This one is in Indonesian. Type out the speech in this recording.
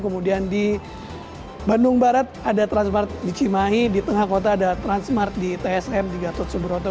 kemudian di bandung barat ada transmart di cimahi di tengah kota ada transmart di tsm di gatot subroto